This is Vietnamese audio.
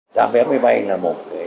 giá vé máy bay là một cái